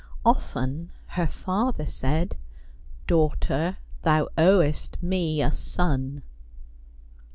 Often her father said :" Daughter, thou owest me a son."